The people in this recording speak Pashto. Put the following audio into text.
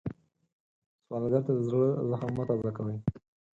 سوالګر ته د زړه زخم مه تازه کوئ